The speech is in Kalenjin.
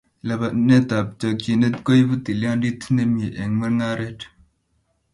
Lipanet eng chokchinet koibu tilyandit ne mie eng mungaret